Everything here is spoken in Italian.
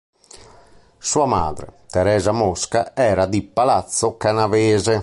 Sua madre, Teresa Mosca, era di Palazzo Canavese.